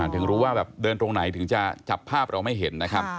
ถึงรู้ว่าแบบเดินตรงไหนถึงจะจับภาพเราไม่เห็นนะครับ